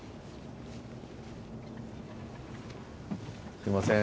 すいません。